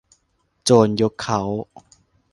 โจรยกเค้า